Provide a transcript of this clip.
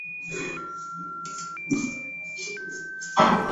mkate wako upoe kabla ya kuutunza